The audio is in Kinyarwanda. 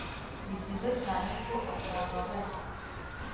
Nibyiza cyane ko atababaye